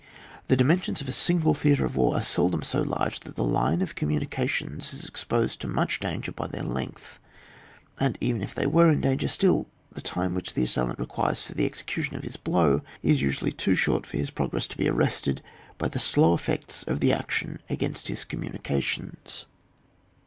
The dimensions of a single theatre of war are seldom so large that the line of commimications is exposed to much dan ger by their length, and even if they were in danger, still the time which the assailant requires for the execution of his blow is usually too short for his pro gress to be arrested by the slow effects of the action against his communica tions.